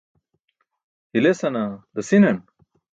Hilesana dasi̇nan?